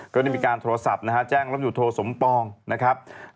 ก็ได้มีการโทรศัพท์นะฮะแจ้งลำอยู่โทสมปองนะครับ